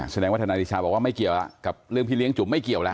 แสดงว่าทนายเดชาบอกว่าไม่เกี่ยวกับเรื่องพี่เลี้ยจุ๋มไม่เกี่ยวแล้ว